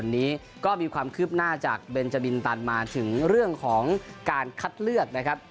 วันนี้ก็มีความคืบหน้าจากเบนจาบินตันมาถึงเรื่องของการคัดเลือกนะครับ